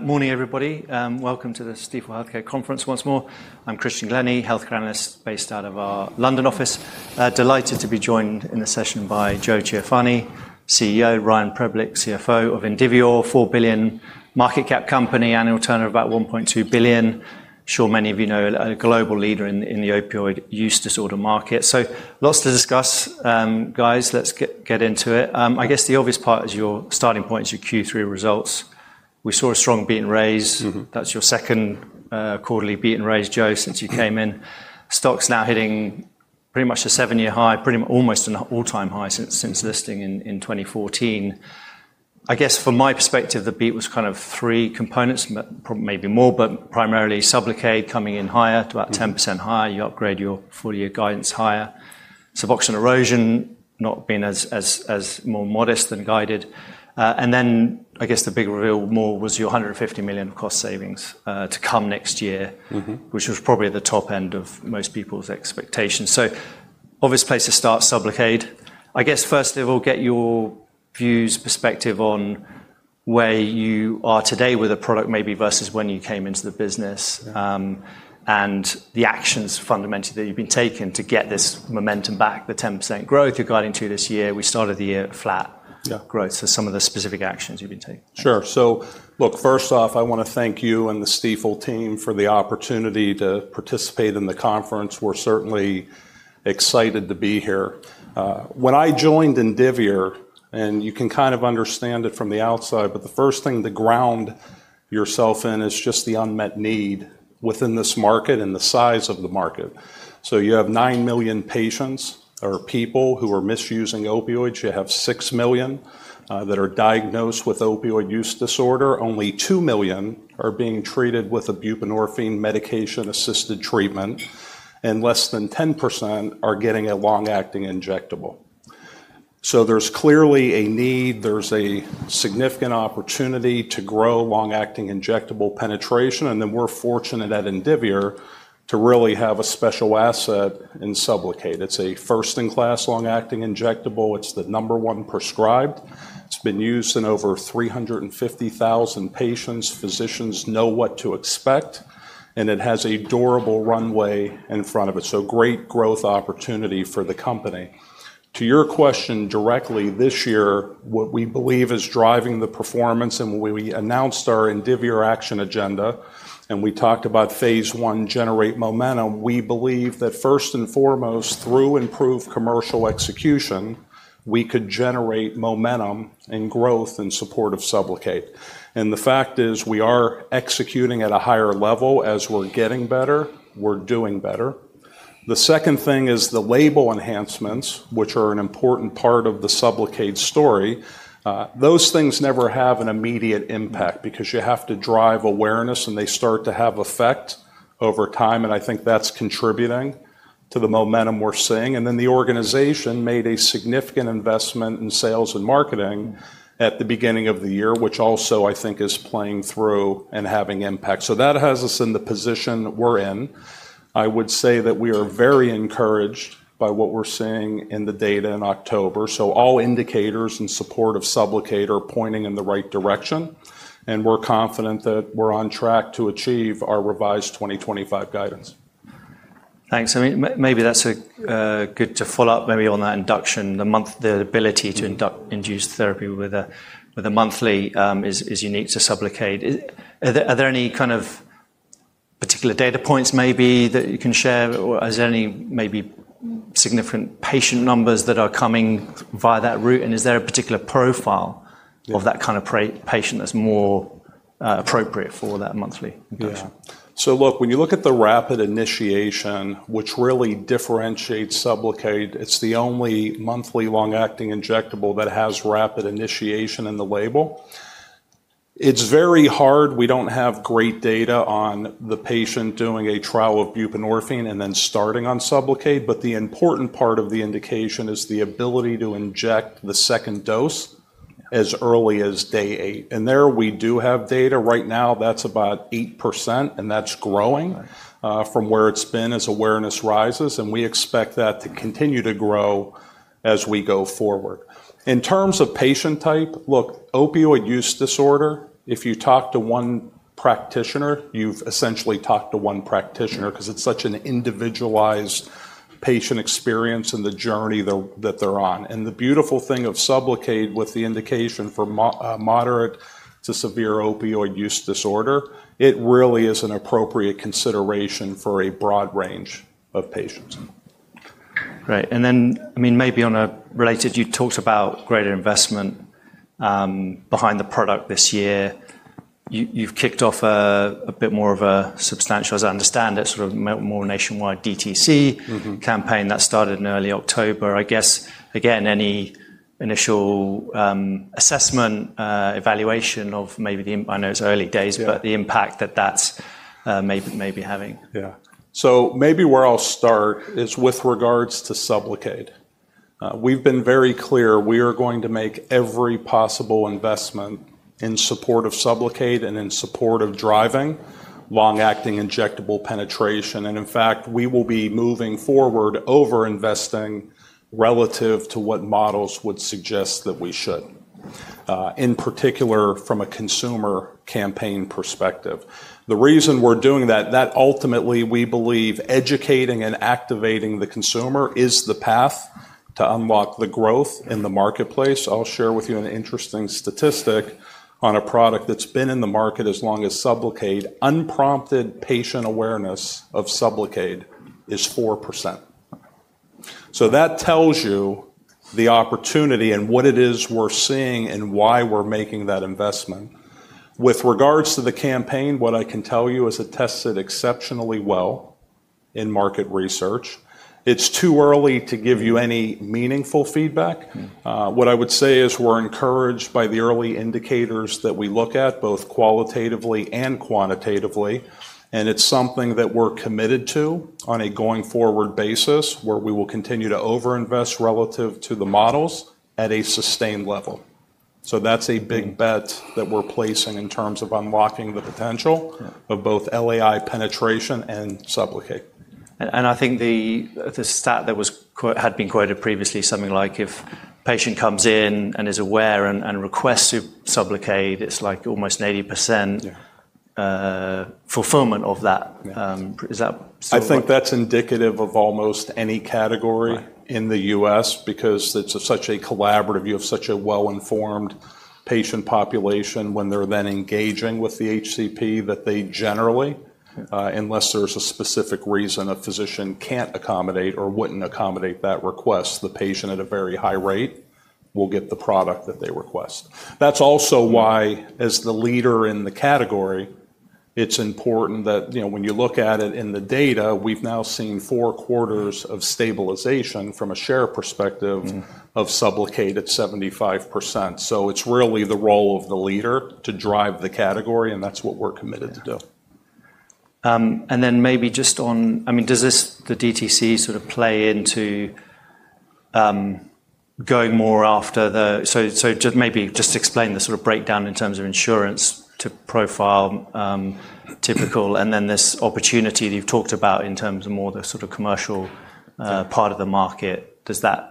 Morning, everybody. Welcome to the Stifel Healthcare Conference once more. I'm Christian Glenney, Healthcare Analyst based out of our London Office. Delighted to be joined in the session by Joe Ciaffoni, CEO, Ryan Preblick, CFO of Indivior, a $4 billion Market cap company, Annual Turnover about $1.2 billion. I'm sure many of you know a Global Leader in the opioid use disorder market. Lots to discuss, guys. Let's get into it. I guess the obvious part is your starting point is your Q3 results. We saw a strong beat in raise. That's your second quarterly beat in raise, Joe, since you came in. Stock's now hitting pretty much a seven-year high, pretty much almost an all-time high since listing in 2014. I guess from my perspective, the beat was kind of three components, maybe more, but primarily SUBLOCADE coming in higher, to about 10% higher. You upgrade your four-year guidance higher. Suboxone erosion not being as more modest than guided. I guess the big reveal more was your $150 million Sost Savings to come next year, which was probably at the top end of most people's expectations. Obvious place to start, SUBLOCADE. I guess first of all, get your views, perspective on where you are today with the product maybe versus when you came into the business, and the actions fundamentally that you've been taking to get this momentum back, the 10% growth you're guiding to this year. We started the year at flat growth. Some of the specific actions you've been taking. Sure. So, look, first off, I want to thank you and the Stifel Team for the opportunity to participate in the conference. We're certainly excited to be here. When I joined Indivior, and you can kind of understand it from the outside, but the first thing to ground yourself in is just the unmet need within this market and the size of the market. You have 9 million Patients or People who are misusing opioids. You have 6 million that are diagnosed with opioids use disorder. Only 2 million are being treated with a buprenorphine medication-assisted treatment, and less than 10% are getting a long-acting injectable. There's clearly a need. There's a significant opportunity to grow Long-Acting Injectable Penetration. We're fortunate at Indivior to really have a special asset in SUBLOCADE. It's a first-in-class long-acting injectable. It's the number one prescribed. It's been used in over 350,000 Patients. Physicians know what to expect, and it has a durable runway in front of it. Great growth opportunity for the company. To your question directly, this year, what we believe is driving the performance and we announced our Indivior Action Agenda, and we talked about phase I, generate momentum. We believe that first and foremost, through improved Commercial Execution, we could generate momentum and growth in support of SUBLOCADE. The fact is we are executing at a higher level as we're getting better. We're doing better. The second thing is the Label Enhancements, which are an important part of the SUBLOCADE story. Those things never have an immediate impact because you have to drive Awareness, and they start to have effect over time. I think that's contributing to the momentum we're seeing. The organization made a significant Investment in Sales and Marketing at the beginning of the year, which also I think is playing through and having impact. That has us in the position we're in. I would say that we are very encouraged by what we're seeing in the data in October. All indicators in support of SUBLOCADE are pointing in the right direction, and we're confident that we're on track to achieve our revised 2025 Guidance. Thanks. Maybe that's good to follow up maybe on that Induction, the ability to Induce Therapy with a monthly is unique to SUBLOCADE. Are there any kind of particular data points maybe that you can share? Are there any maybe significant patient numbers that are coming via that route? Is there a particular profile of that kind of patient that's more appropriate for that monthly Induction? Look, when you look at the Rapid Initiation, which really differentiates SUBLOCADE, it's the only monthly long-Acting Injectable that has Rapid Initiation in the label. It's very hard. We don't have great data on the patient doing a trial of buprenorphine and then starting on SUBLOCADE. The important part of the indication is the ability to inject the Second Dose as early as day eight. There we do have data. Right now, that's about 8%, and that's growing from where it's been as Awareness Rises. We expect that to continue to grow as we go forward. In terms of patient type, opioids use disorder, if you talk to one practitioner, you've essentially talked to one practitioner because it's such an individualized patient experience and the journey that they're on. The beautiful thing of SUBLOCADE with the indication for moderate to severe opioid use disorder, it really is an appropriate consideration for a broad range of patients. Right. I mean, maybe on a related, you talked about greater investment behind the product this year. You've kicked off a bit more of a substantial, as I understand it, sort of more nationwide DTC campaign that started in early October. I guess, again, any initial Assessment, Evaluation of maybe the, I know it's early days, but the impact that that's maybe having. Yeah. Maybe where I'll start is with regards to SUBLOCADE. We've been very clear we are going to make every possible Investment in support of SUBLOCADE and in support of driving Long-Acting Injectable Penetration. In fact, we will be moving forward Over-Investing relative to what models would suggest that we should, in particular from a Consumer Campaign perspective. The reason we're doing that, that ultimately we believe Educating and Activating the Consumer is the path to unlock the growth in the Marketplace. I'll share with you an interesting Statistic on a product that's been in the market as long as SUBLOCADE. Unprompted Patient Awareness of SUBLOCADE is 4%. That tells you the opportunity and what it is we're seeing and why we're making that Investment. With regards to the Campaign, what I can tell you is it tested exceptionally well in Market Research. It's too early to give you any meaningful Feedback. What I would say is we're encouraged by the Early Indicators that we look at both Qualitatively and Quantitatively. It's something that we're committed to on a going forward basis where we will continue to Over-Invest relative to the models at a sustained level. That's a big bet that we're placing in terms of unlocking the potential of both LAI Penetration and SUBLOCADE. I think the stat that had been quoted previously, something like if a patient comes in and is aware and requests SUBLOCADE, it's like almost 90% fulfillment of that. Is that? I think that's indicative of almost any category in the U.S. because it's such a collaborative, you have such a well-informed Patient Population when they're then engaging with the HCP that they generally, unless there's a specific reason a physician can't accommodate or wouldn't accommodate that request, the patient at a very high rate will get the product that they request. That's also why, as the leader in the category, it's important that when you look at it in the data, we've now seen four quarters of Stabilization from a share perspective of SUBLOCADE at 75%. It's really the role of the leader to drive the category, and that's what we're committed to do. Maybe just on, I mean, does the DTC sort of play into going more after the, so maybe just explain the sort of breakdown in terms of Insurance to Profile Typical, and then this opportunity that you've talked about in terms of more the sort of Commercial Part of the Market. Does that,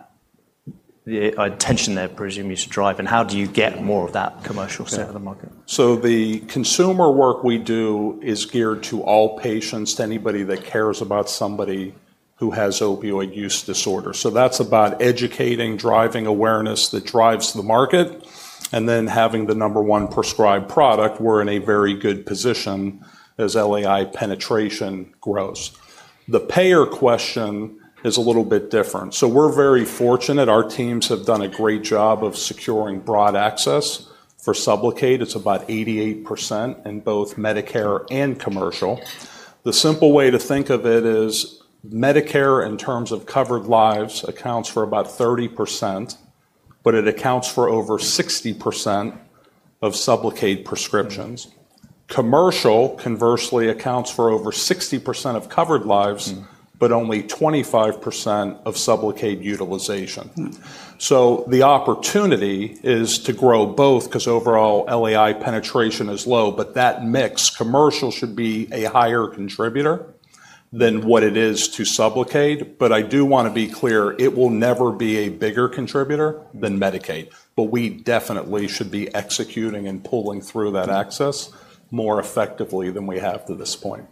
the intention there presumably to drive, and how do you get more of that Commercial Side of the Market? The Consumer Work we do is geared to all patients, to anybody that cares about somebody who has opioid use disorder. That is about educating, driving awareness that drives the Market, and then having the number one Prescribed Product, we are in a very good position as LAI Penetration grows. The payer question is a little bit different. We are very fortunate. Our teams have done a great job of securing broad access for SUBLOCADE. It is about 88% in both Medicare and Commercial. The simple way to think of it is Medicare in terms of covered lives accounts for about 30%, but it accounts for over 60% of SUBLOCADE Prescriptions. Commercial, conversely, accounts for over 60% of covered lives, but only 25% of SUBLOCADE Utilization. The opportunity is to grow both because overall LAI Penetration is low, but that mix Commercial should be a higher Contributor than what it is to SUBLOCADE. I do want to be clear, it will never be a bigger Contributor than Medicare, but we definitely should be executing and pulling through that access more effectively than we have to this point.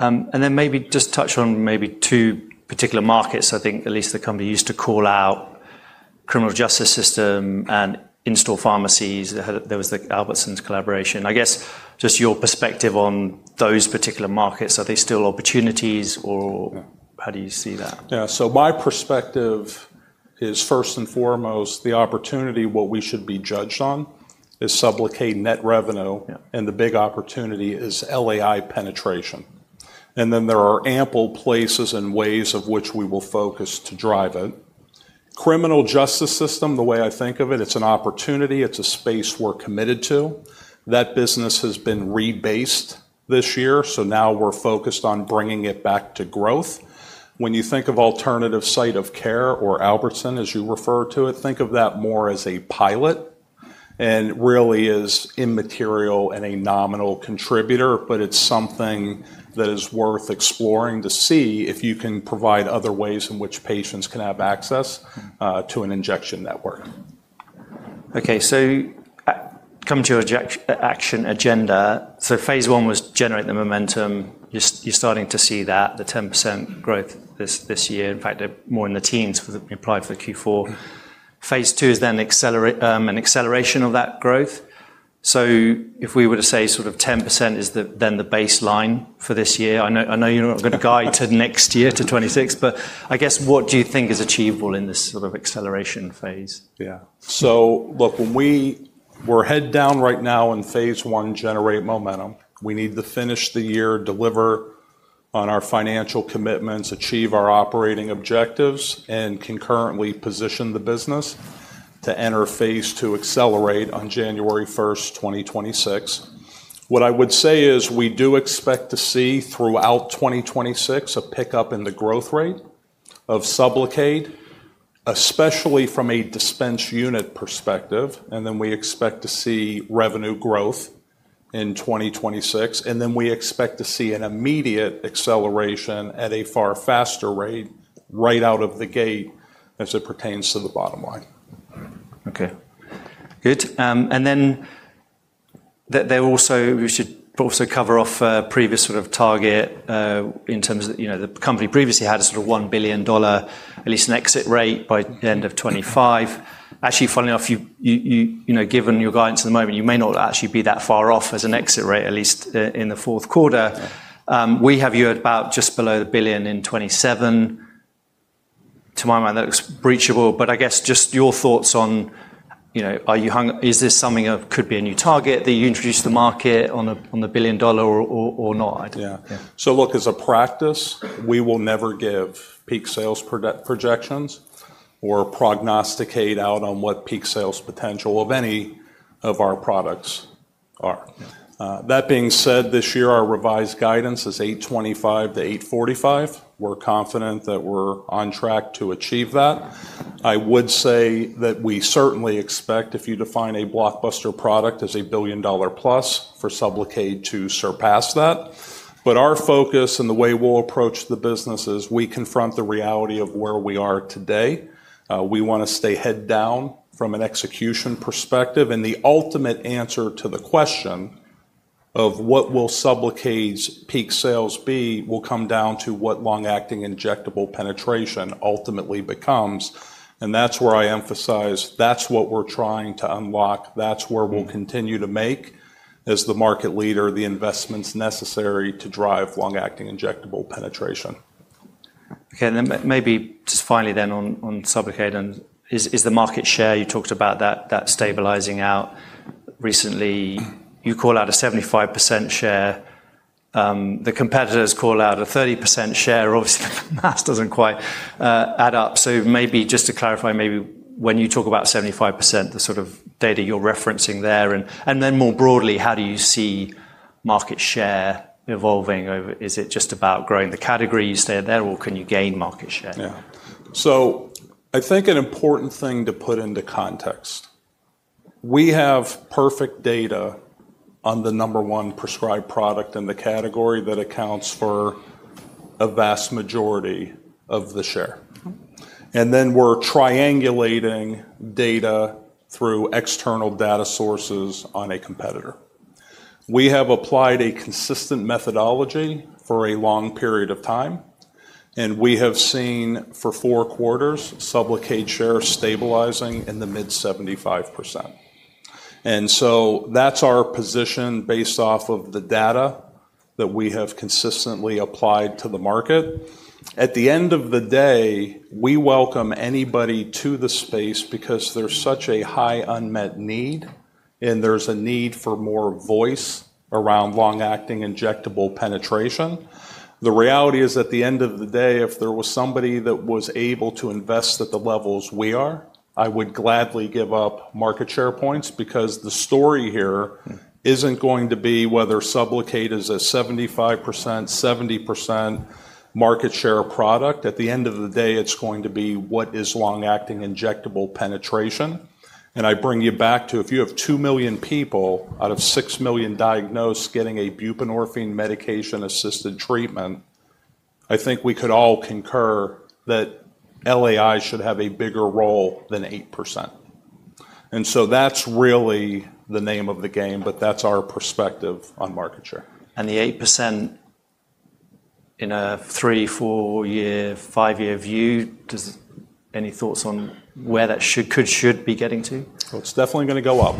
Maybe just touch on maybe two particular markets. I think at least the company used to call out criminal justice system and in-store pharmacies. There was the Albertsons Collaboration. I guess just your perspective on those particular Markets, are they still opportunities or how do you see that? Yeah. My perspective is first and foremost, the opportunity, what we should be judged on is SUBLOCADE net revenue, and the big opportunity is LAI Penetration. There are ample places and ways of which we will focus to drive it. Criminal Justice System, the way I think of it, it's an opportunity. It's a space we're committed to. That business has been rebased this year. Now we're focused on bringing it back to growth. When you think of alternative site of care or Albertsons, as you refer to it, think of that more as a pilot and really is immaterial and a nominal contributor, but it's something that is worth exploring to see if you can provide other ways in which patients can have access to an Injection Network. Okay. So, come to your Action Agenda. So, phase I was Generate the Momentum. You're starting to see that, the 10% growth this year. In fact, more in the teens applied for Q4. Phase II is then an acceleration of that growth. So, if we were to say sort of 10% is then the baseline for this year, I know you're not going to guide to next year to 2026, but I guess what do you think is achievable in this sort of Acceleration phase? Yeah. Look, when we're head down right now in phase I, Generate Momentum, we need to finish the year, deliver on our Financial Commitments, achieve our Operating Objectives, and concurrently position the business to enter phase II Accelerate on January 1st, 2026. What I would say is we do expect to see throughout 2026 a pickup in the Growth Rate of SUBLOCADE, especially from a dispense unit perspective. We expect to see revenue growth in 2026. We expect to see an immediate Acceleration at a far faster rate right out of the gate as it pertains to the bottom line. Okay. Good. They also should cover off a previous sort of target in terms of the company previously had a sort of $1 billion, at least an exit rate by the end of 2025. Actually, funnily enough, given your guidance at the moment, you may not actually be that far off as an exit rate, at least in the fourth quarter. We have you at about just below a billion in 2027. To my mind, that looks breachable, but I guess just your thoughts on, are you hungry, is this something that could be a new target that you introduce to the Market on the billion dollar or not? Yeah. So, look, as a practice, we will never give Peak Sales Projections or prognosticate out on what Peak Sales Potential of any of our products are. That being said, this year our Revised Guidance is $825 million-$845 million. We're confident that we're on track to achieve that. I would say that we certainly expect if you define a blockbuster product as a billion dollar plus for SUBLOCADE to surpass that. Our focus and the way we'll approach the business is we confront the reality of where we are today. We want to stay head down from an execution perspective. The ultimate answer to the question of what will SUBLOCADE's peak sales be will come down to what Long-Acting Injectable Penetration ultimately becomes. That's where I emphasize, that's what we're trying to unlock. That's where we'll continue to make, as the Market Leader, the investments necessary to drive Long-Acting Injectable Penetration. Okay. And then maybe just finally then on SUBLOCADE, and is the Market Share you talked about that stabilizing out recently? You call out a 75% share. The competitors call out a 30% share. Obviously, the math does not quite add up. So, maybe just to clarify, maybe when you talk about 75%, the sort of data you are referencing there, and then more broadly, how do you see Market Share evolving? Is it just about growing the categories there or can you gain Market Share? Yeah. I think an important thing to put into context, we have perfect data on the number one Prescribed Product in the category that accounts for a vast majority of the share. Then we're triangulating data through External Data Sources on a competitor. We have applied a consistent methodology for a long period of time, and we have seen for four quarters SUBLOCADE share stabilizing in the mid 75%. That is our position based off of the data that we have consistently applied to the market. At the end of the day, we welcome anybody to the space because there's such a high unmet need, and there's a need for more voice around Long-Acting Injectable Penetration. The reality is at the end of the day, if there was somebody that was able to invest at the levels we are, I would gladly give up Market Share points because the story here isn't going to be whether SUBLOCADE is a 75% or 70% market share product. At the end of the day, it's going to be what is Long-Acting Injectable Penetration. I bring you back to if you have 2 million people out of 6 million diagnosed getting a buprenorphine Medication-Assisted Treatment, I think we could all concur that LAI should have a bigger role than 8%. That's really the name of the game, but that's our perspective on Market Share. The 8% in a three, four-year, five-year view, any thoughts on where that could be getting to? It is definitely going to go up.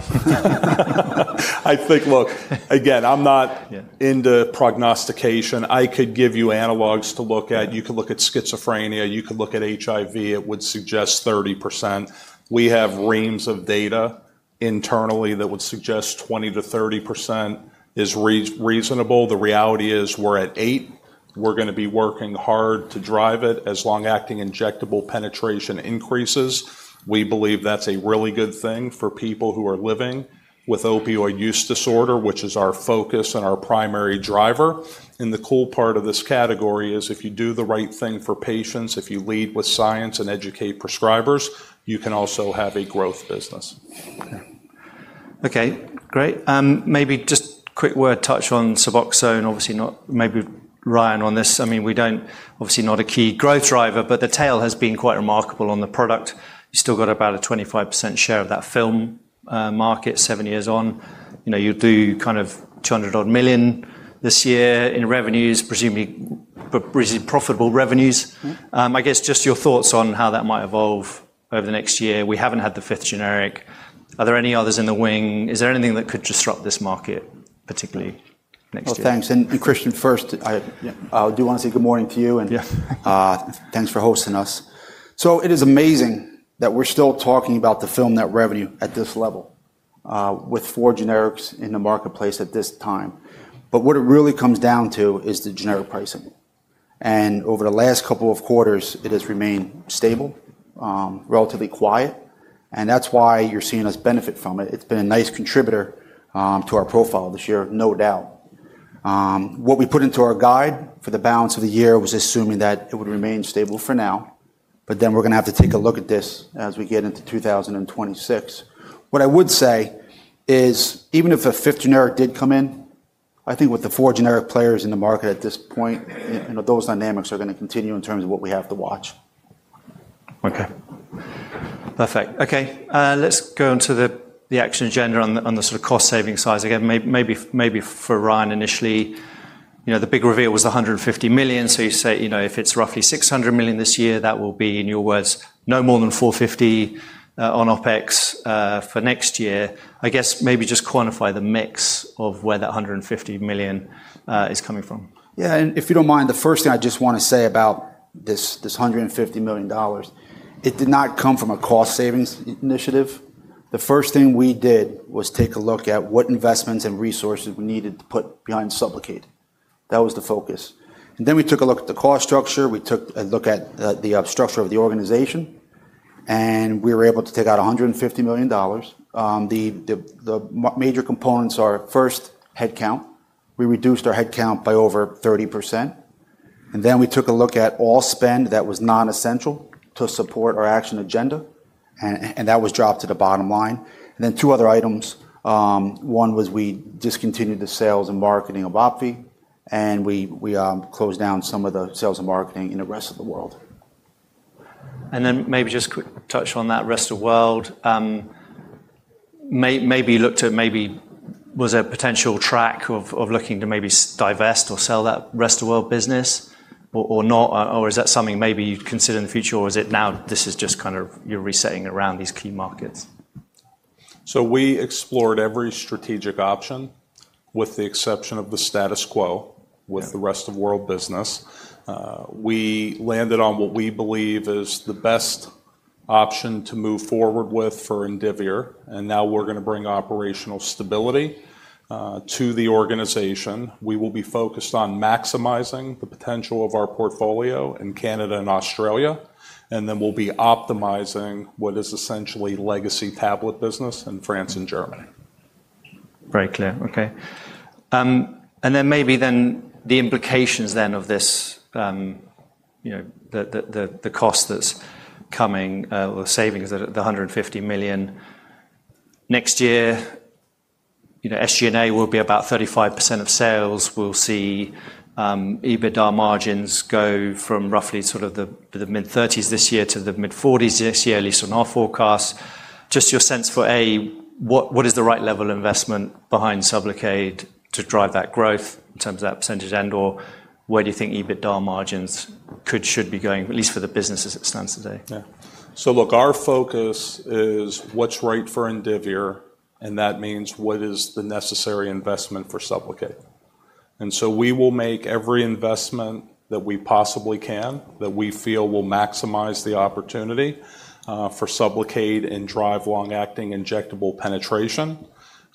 I think, look, again, I'm not into prognostication. I could give you analogs to look at. You could look at Schizophrenia. You could look at HIV. It would suggest 30%. We have reams of data internally that would suggest 20-30% is reasonable. The reality is we're at eight. We're going to be working hard to drive it as Long-Acting Injectable Penetration increases. We believe that's a really good thing for people who are living with opioid use disorder, which is our focus and our Primary Driver. The cool part of this category is if you do the right thing for patients, if you lead with science and educate prescribers, you can also have a growth business. Okay. Great. Maybe just quick word touch on Suboxone, obviously not, maybe Ryan on this. I mean, we don't, obviously not a key growth driver, but the tail has been quite remarkable on the product. You still got about a 25% share of that film market seven years on. You do kind of $200 million this year in revenues, presumably profitable revenues. I guess just your thoughts on how that might evolve over the next year. We haven't had the fifth generic. Are there any others in the wing? Is there anything that could disrupt this market particularly next year? Thanks. Christian, first, I do want to say good morning to you and thanks for hosting us. It is amazing that we're still talking about the film net revenue at this level with four generics in the marketplace at this time. What it really comes down to is the Generic Pricing. Over the last couple of quarters, it has remained stable, relatively quiet, and that's why you're seeing us benefit from it. It's been a nice contributor to our profile this year, no doubt. What we put into our guide for the balance of the year was assuming that it would remain stable for now, but then we're going to have to take a look at this as we get into 2026. What I would say is even if a fifth generic did come in, I think with the four generic players in the market at this point, those dynamics are going to continue in terms of what we have to watch. Okay. Perfect. Okay. Let's go into the Action Agenda on the sort of cost saving side. Again, maybe for Ryan initially, the big reveal was $150 million. You say if it's roughly $600 million this year, that will be, in your words, no more than $450 million on OpEx for next year. I guess maybe just quantify the mix of where that $150 million is coming from. Yeah. If you don't mind, the first thing I just want to say about this $150 million, it did not come from a Cost Savings Initiative. The first thing we did was take a look at what investments and resources we needed to put behind SUBLOCADE. That was the focus. We took a look at the cost structure. We took a look at the structure of the organization, and we were able to take out $150 million. The major components are first headcount. We reduced our headcount by over 30%. We took a look at all spend that was non-essential to support our action agenda, and that was dropped to the bottom line. Two other items. One was we discontinued the sales and marketing of OPVEE, and we closed down some of the sales and marketing in the rest of the world. Maybe just quick touch on that rest of the world. Maybe looked at maybe was a potential track of looking to maybe divest or sell that rest of the world business or not, or is that something maybe you'd consider in the future, or is it now this is just kind of you're resetting around these Key Markets? We explored every strategic option with the exception of the status quo with the rest of world business. We landed on what we believe is the best option to move forward with for Indivior, and now we're going to bring operational stability to the organization. We will be focused on maximizing the potential of our portfolio in Canada and Australia, and then we'll be optimizing what is essentially legacy tablet business in France and Germany. Very clear. Okay. Maybe then the implications of this, the cost that's coming or savings at the $150 million next year, SG&A will be about 35% of sales. We'll see EBITDA Margins go from roughly sort of the mid-30s this year to the mid-40s this year, at least on our forecast. Just your sense for, A, what is the right level of investment behind SUBLOCADE to drive that growth in terms of that percentage end, or where do you think EBITDA Margins could, should be going, at least for the business as it stands today? Yeah. Look, our focus is what's right for Indivior, and that means what is the necessary Investment for SUBLOCADE. We will make every Investment that we possibly can that we feel will maximize the opportunity for SUBLOCADE and drive Long-Acting Injectable Penetration.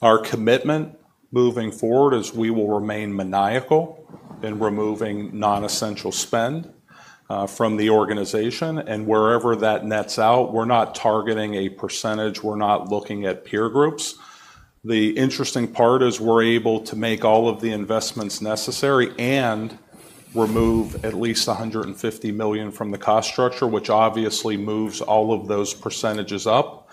Our commitment moving forward is we will remain maniacal in removing non-essential spend from the Organization, and wherever that nets out, we're not targeting a percentage. We're not looking at peer groups. The interesting part is we're able to make all of the investments necessary and remove at least $150 million from the cost structure, which obviously moves all of those percentages up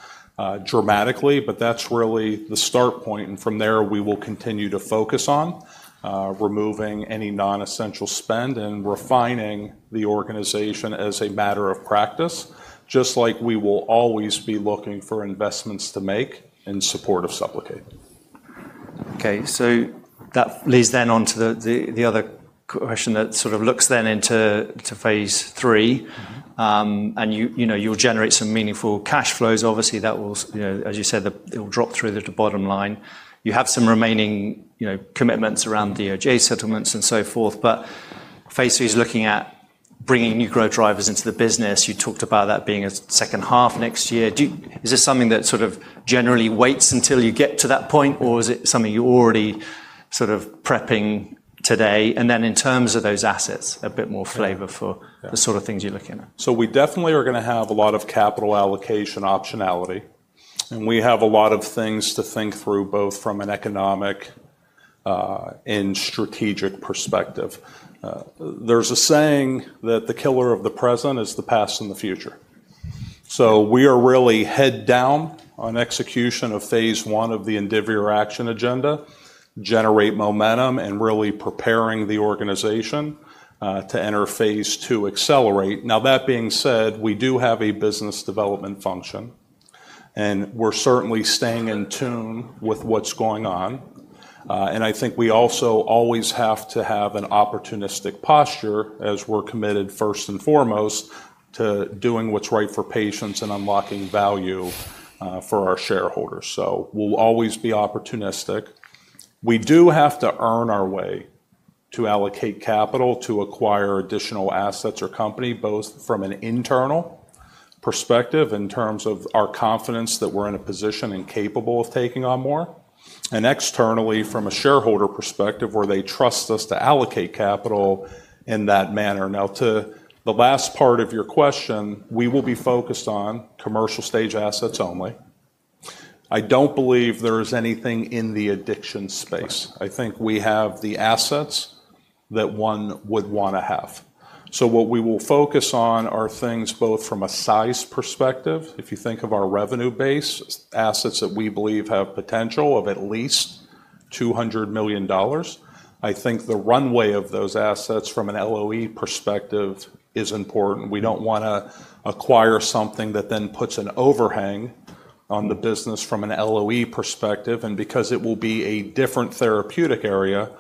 dramatically, but that's really the start point. From there, we will continue to focus on removing any non-essential spend and refining the organization as a matter of practice, just like we will always be looking for Investments to make in support of SUBLOCADE. Okay. That leads then on to the other question that sort of looks then into phase III, and you'll generate some meaningful Cash Flows. Obviously, that will, as you said, it'll drop through the bottom line. You have some remaining commitments around DOJ settlements and so forth, but phase III is looking at bringing new growth drivers into the business. You talked about that being a second half next year. Is this something that sort of generally waits until you get to that point, or is it something you're already sort of prepping today? In terms of those assets, a bit more flavor for the sort of things you're looking at. We definitely are going to have a lot of Capital Allocation optionality, and we have a lot of things to think through both from an Economic and Strategic perspective. There is a saying that the killer of the present is the past and the future. We are really head down on execution of phase I of the Indivior Action Agenda, Generate Momentum, and really preparing the Organization to enter phase II, Accelerate. That being said, we do have a business development function, and we are certainly staying in tune with what is going on. I think we also always have to have an opportunistic posture as we are committed first and foremost to doing what is right for patients and unlocking value for our Shareholders. We will always be opportunistic. We do have to earn our way to Allocate Capital to acquire additional Assets or Company, both from an internal perspective in terms of our confidence that we're in a position and capable of taking on more, and externally from a Shareholder Perspective where they trust us to Allocate Capital in that manner. Now, to the last part of your question, we will be focused on Commercial Stage assets only. I don't believe there is anything in the addiction space. I think we have the assets that one would want to have. What we will focus on are things both from a Size Perspective. If you think of our revenue base, Assets that we believe have potential of at least $200 million. I think the runway of those assets from an LOE Perspective is important. We don't want to acquire something that then puts an overhang on the business from an LOE Perspective. Because it will be a different Therapeutic Area,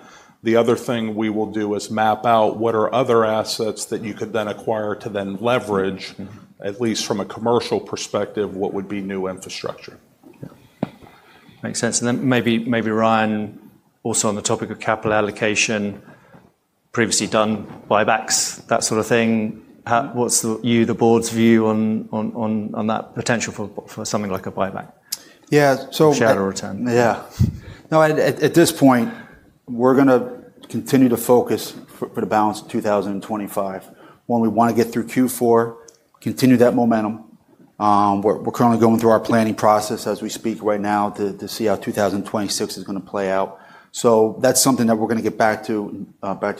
the other thing we will do is map out what are other assets that you could then acquire to then Leverage, at least from a Commercial Perspective, what would be new infrastructure. Makes sense. Maybe Ryan, also on the topic of Capital Allocation, previously done buybacks, that sort of thing. What's you, the board's view on that potential for something like a buyback? Yeah. So. Shadow return. Yeah. No, at this point, we're going to continue to focus for the balance of 2025. We want to get through Q4, continue that Momentum. We're currently going through our planning process as we speak right now to see how 2026 is going to play out. That's something that we're going to get back to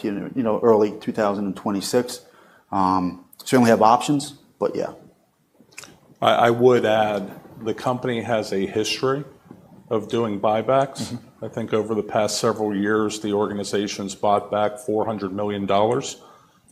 you in early 2026. Certainly have options, but yeah. I would add the company has a history of doing buybacks. I think over the past several years, the Organization's bought back $400 million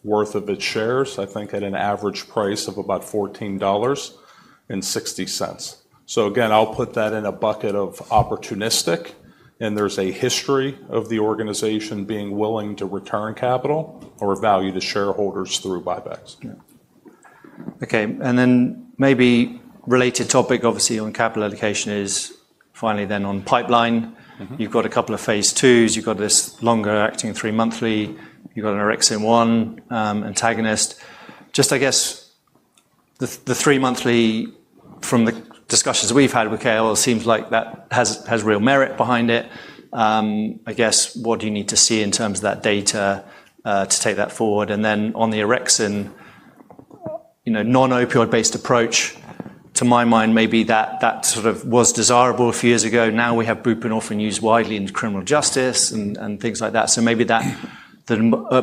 worth of its shares, I think at an Average Price of about $14.60. Again, I'll put that in a bucket of opportunistic, and there's a history of the Organization being willing to return capital or value to shareholders through buybacks. Okay. Maybe related topic, obviously on Capital Allocation is finally then on pipeline. You've got a couple of phase II. You've got this longer acting three-monthly. You've got an Orexin 1 antagonist. I guess the three-monthly from the discussions we've had with KL, it seems like that has real merit behind it. I guess what do you need to see in terms of that data to take that forward? On the Orexin, non-opioid-based approach, to my mind, maybe that sort of was desirable a few years ago. Now we have buprenorphine used widely in criminal justice and things like that. Maybe that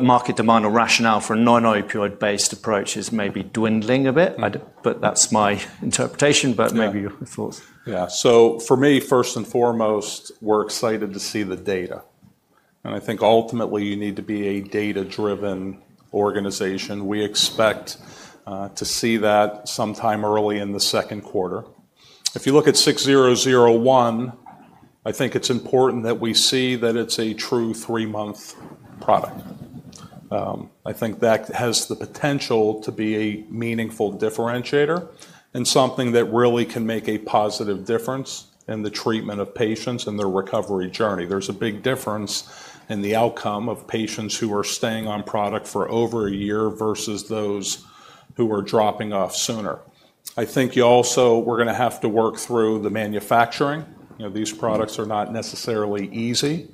Market Demand or rationale for a non-opioid-based approach is maybe dwindling a bit, but that's my interpretation. Maybe your thoughts. Yeah. For me, first and foremost, we're excited to see the data. I think ultimately you need to be a data-driven organization. We expect to see that sometime early in the second quarter. If you look at 6001, I think it's important that we see that it's a true three-month product. I think that has the potential to be a meaningful differentiator and something that really can make a positive difference in the treatment of patients and their recovery journey. There's a big difference in the outcome of patients who are staying on product for over a year versus those who are dropping off sooner. I think you also, we're going to have to work through the manufacturing. These products are not necessarily easy.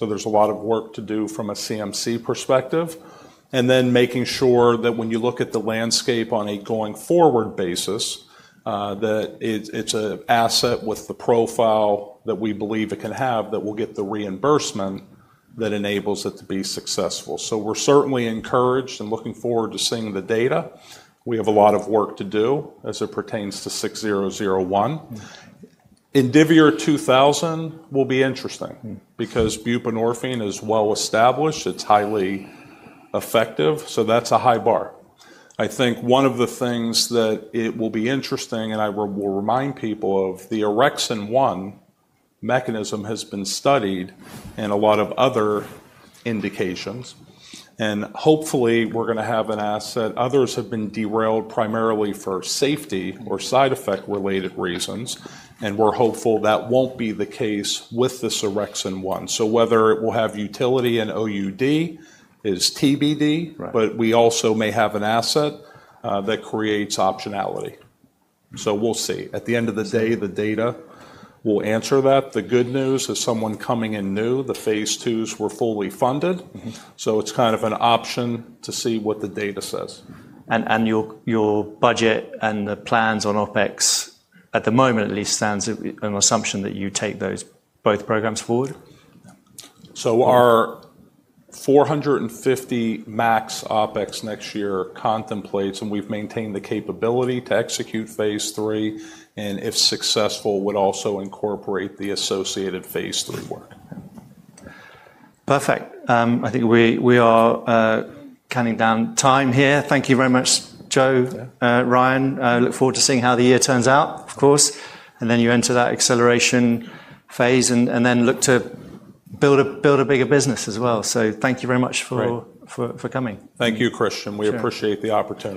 There's a lot of work to do from a CMC Perspective. Then making sure that when you look at the landscape on a going forward basis, that it's an asset with the profile that we believe it can have that will get the reimbursement that enables it to be successful. We're certainly encouraged and looking forward to seeing the data. We have a lot of work to do as it pertains to 6001. Indivior 2000 will be interesting because buprenorphine is well established. It's highly effective. That's a high bar. I think one of the things that will be interesting, and I will remind people, is the Orexin 1 mechanism has been studied in a lot of other indications. Hopefully, we're going to have an asset. Others have been derailed primarily for safety or side effect-related reasons, and we're hopeful that won't be the case with this Orexin 1. Whether it will have utility in OUD is TBD, but we also may have an asset that creates optionality. We'll see. At the end of the day, the data will answer that. The good news is someone coming in new, the phase II were fully funded. It's kind of an option to see what the data says. Your budget and the plans on OpEx at the moment at least stands on assumption that you take those both programs forward. Our $450 million max OpEx next year contemplates, and we've maintained the capability to execute phase III, and if successful, would also incorporate the associated phase III work. Perfect. I think we are counting down time here. Thank you very much, Joe, Ryan. Look forward to seeing how the year turns out, of course. You enter that acceleration phase and then look to build a bigger business as well. Thank you very much for coming. Thank you, Christian. We appreciate the opportunity.